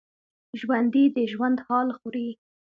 ژوندي د ژوند حال خوري